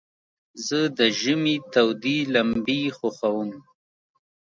زه د ژمي تودي لمبي خوښوم.